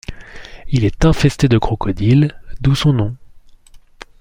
Il est infesté de crocodiles, d'où son nom.